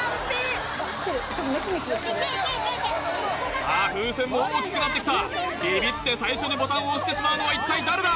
さあ風船も大きくなってきたビビって最初にボタンを押してしまうのは一体誰だ？